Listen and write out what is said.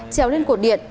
treo lên cột điện